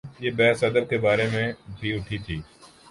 یہ بحث ادب کے بارے میں بھی اٹھی تھی۔